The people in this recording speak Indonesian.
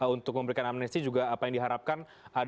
untuk memberikan amnesti juga apa yang diharapkan